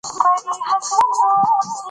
پاڼې په لارو او کوڅو کې تر پښو لاندې کېږي.